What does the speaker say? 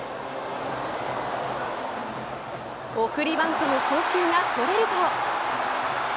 送りバントの送球がそれると。